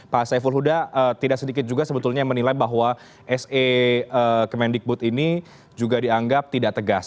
pak saiful huda tidak sedikit juga sebetulnya yang menilai bahwa se kemendikbud ini juga dianggap tidak tegas